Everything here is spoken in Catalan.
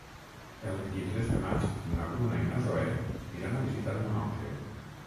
El vint-i-tres de maig na Bruna i na Zoè aniran a visitar mon oncle.